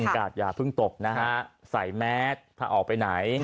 กาดอย่าเพิ่งตกนะฮะใส่แมสถ้าออกไปไหน